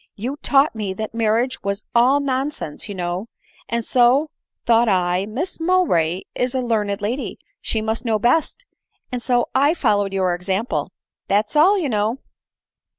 You taught me that marriage was all nonsense, you know ; and so thought I, Miss Mowbray is a learned lady, she mtist know best, and so I followed your example — that 's aB, you know."